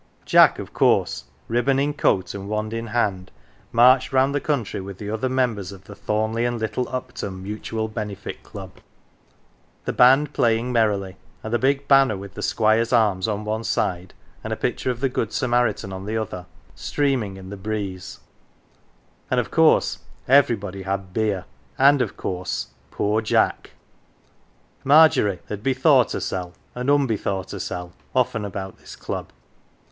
Jack, of course, ribbon in coat and wand in hand, marched round the country with the other members of the Thornleigh and Little Upton Mutual Benefit Club, the band playing merrily, and the big banner, with the Squire's arms on one side and a picture of the Good Samaritan on the other, streaming in the breeze ; and of course everybody had beer ; and of course poor Jack ! Margery had " bethought herseP " and " unbethought 122 "THE GILLY F'ERS" hersel 1 " often about this Club.